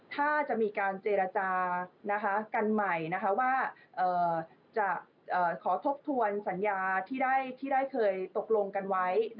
ถ้าจะมีการเจรจากันใหม่ว่าจะขอทบทวนสัญญาที่ได้เคยตกลงกันไว้